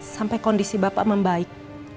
sampai kondisi bapak membaik